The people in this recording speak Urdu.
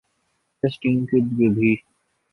ٹیسٹ ٹیم کے لیے بھی